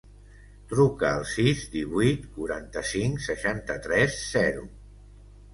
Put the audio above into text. Truca al sis, divuit, quaranta-cinc, seixanta-tres, zero.